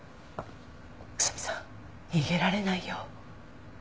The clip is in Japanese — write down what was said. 宇佐見さん逃げられないよ。